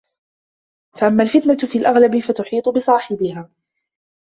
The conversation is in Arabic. فَأَمَّا الْفِتْنَةُ فِي الْأَغْلَبِ فَتُحِيطُ بِصَاحِبِهَا